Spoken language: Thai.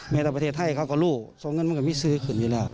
ต่อประเทศไทยเขาก็รู้ส่งเงินมันก็ไม่ซื้อขึ้นอยู่แล้ว